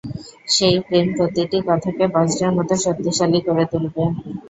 সেই প্রেম প্রতিটি কথাকে বজ্রের মত শক্তিশালী করে তুলবে।